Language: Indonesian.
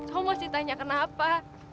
kamu masih tanya kenapa